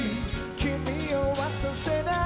「君を渡せない」